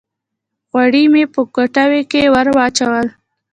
غوړي مې په کټوۍ کښې ور واچول